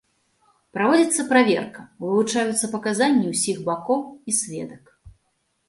Праводзіцца праверка, вывучаюцца паказанні ўсіх бакоў і сведак.